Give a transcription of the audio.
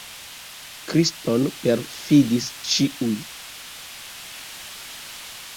Kriston perfidis ĉiuj.